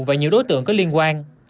và nhiều đối tượng có liên quan